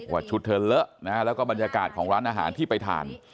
ชุดเธอเลอะนะฮะแล้วก็บรรยากาศของร้านอาหารที่ไปทาน